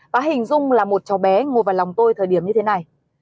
và hình dung là một cháu bé ngồi vào lòng tôi thời điểm như thế này